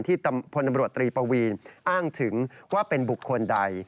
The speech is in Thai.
พลตำรวจตรีปวีนอ้างถึงว่าเป็นบุคคลใด